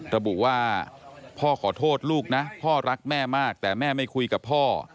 ระบุว่าพ่อขอโทษลูกนะพ่อรักแม่มากแต่แม่ไม่คุยกับพ่อ